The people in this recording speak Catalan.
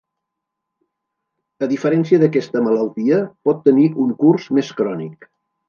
A diferència d'aquesta malaltia, pot tenir un curs més crònic.